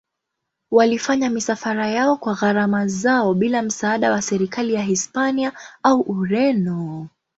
Walifanya misafara yao kwa gharama zao bila msaada wa serikali ya Hispania au Ureno.